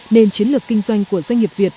nên chiến lược kinh doanh của doanh nghiệp việt